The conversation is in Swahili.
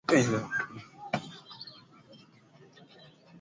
ambayo uchumi wake tayari ulikua unakabiliwa na matatizo